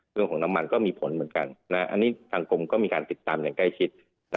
น้ำมันก็มีผลเหมือนกันอันนี้ทางกรมก็มีการติดตามอย่างใกล้ชิด